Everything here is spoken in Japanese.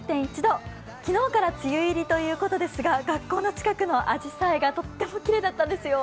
昨日から梅雨入りということですが、学校の近くのあじさいがとってもきれいだったんですよ。